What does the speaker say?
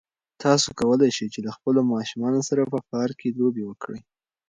تاسو کولای شئ چې له خپلو ماشومانو سره په پارک کې لوبې وکړئ.